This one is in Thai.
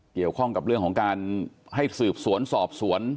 เกี่ยวข้องกับเรื่องของการให้สืบสวนสอบสวน